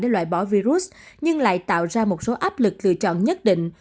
để loại bỏ virus nhưng lại tạo ra một số áp lực lựa chọn nhất định